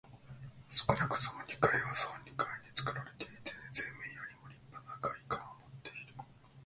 少なくとも二階は総二階につくられていて、前面よりもりっぱな外観をもっている。